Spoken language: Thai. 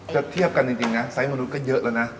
เจ็บเทียบกันจริงนะไซส์มนุษย์ก็เยอะนะ